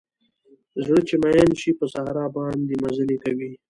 زړه چې مئین شي په صحرا باندې مزلې کوي